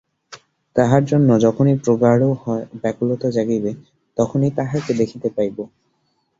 তাঁহার জন্য যখনই প্রগাঢ় ব্যাকুলতা জাগিবে, তখনই তাঁহাকে দেখিতে পাইব।